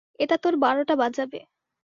এটা তোর বারোটা বাজাবে।